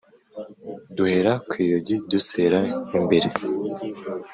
Duhera kw'iyogiDusera imbere